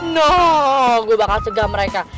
no gue bakal segah mereka